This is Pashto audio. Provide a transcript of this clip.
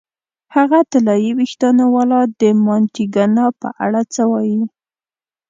هغه طلايي وېښتانو والا، د مانتیګنا په اړه څه وایې؟